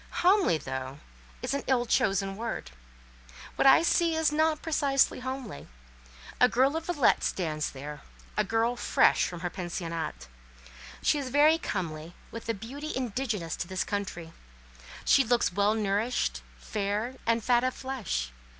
Homely, though, is an ill chosen word. What I see is not precisely homely. A girl of Villette stands there—a girl fresh from her pensionnat. She is very comely, with the beauty indigenous to this country. She looks well nourished, fair, and fat of flesh.